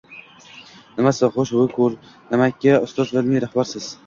— Nimasi — «xo‘sh»?! Bu ko‘rnamakka ustoz va ilmiy rahbarsiz.